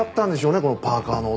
このパーカの男は。